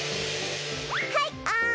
はいあん。